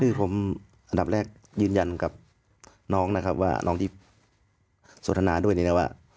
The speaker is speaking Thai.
คือผมอันดับแรกยืนยันกับน้องนะครับว่าน้องที่สนทนาด้วยนี่นะว่า